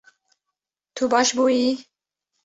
Tu baş bûyî